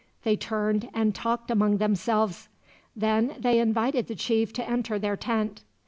They turned and talked among themselves; then they invited the chief to enter their tent.